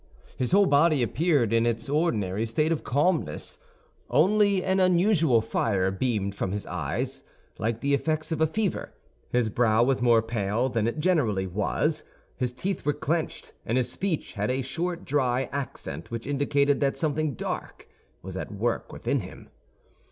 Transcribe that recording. His whole body appeared in its ordinary state of calmness, only an unusual fire beamed from his eyes, like the effects of a fever; his brow was more pale than it generally was; his teeth were clenched, and his speech had a short dry accent which indicated that something dark was at work within him.